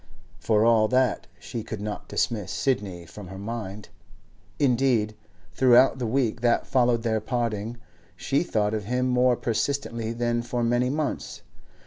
For all that, she could not dismiss Sidney from her mind; indeed, throughout the week that followed their parting, she thought of him more persistently than for many months.